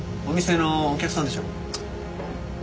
お店のお客さんでしょ？